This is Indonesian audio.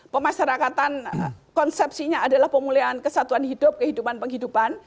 pemasarakatan konsepsinya adalah pemulihan kesatuan hidup kehidupan penghidupan